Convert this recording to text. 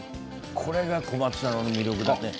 これが小松菜の魅力。